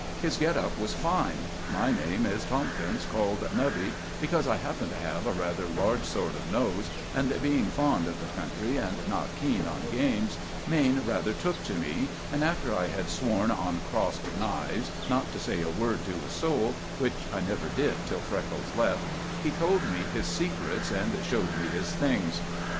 His get up was fine. My name is Tomkins, called "Nubby" because I happen to have a rather large sort of nose, and, being fond of the country and not keen on games, Maine rather took to me, and after I had sworn on crossed knives not to say a word to a soul (which I never did till Freckles left) he told me his secrets and showed me his things.